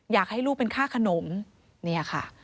อยากให้ลูกเป็นค่าขนมเนี่ยค่ะ